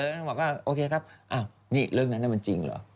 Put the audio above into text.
ก็บอกว่าโอเคครับนี่เรื่องนั้นน่ะมันจริงหรอ